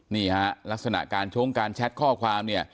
นี่ฮะลักษณะการชงการแชทข้อความเนี่ย